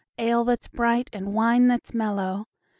Ale that 's bright, and wine that 's mellow!